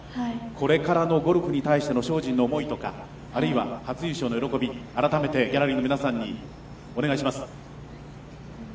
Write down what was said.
これからのゴルフに対しての精進の思いとか、あるいは、初優勝の思い、改めてギャラリーの皆さんにお願いします。